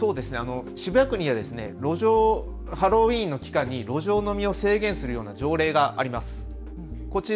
渋谷区にはハロウィーンの期間に路上飲みを制限するような条例があります。